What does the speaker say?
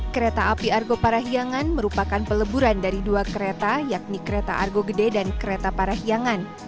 kereta api argo parahiangan merupakan peleburan dari dua kereta yakni kereta argo gede dan kereta parahyangan